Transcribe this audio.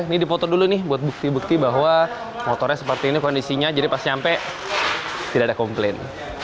ini dipotong dulu nih buat bukti bukti bahwa motornya seperti ini kondisinya jadi pas nyampe tidak ada komplain